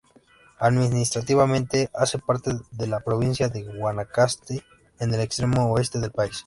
Administrativamente hace parte de la Provincia de Guanacaste en el extremo oeste del país.